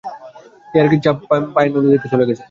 ইয়াকারির পায়ের ছাপ নদীর দিকে গেছে।